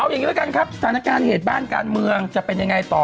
อย่างนี้แล้วกันครับสถานการณ์เหตุบ้านการเมืองจะเป็นยังไงต่อ